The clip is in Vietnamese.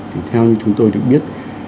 thì theo như chúng tôi được biết